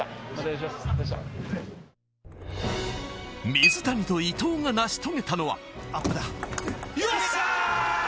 水谷と伊藤が成し遂げたのは。